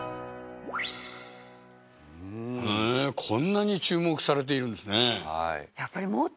こんなに注目されているんですね。